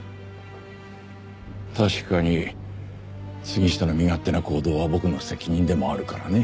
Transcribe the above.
確かに杉下の身勝手な行動は僕の責任でもあるからね。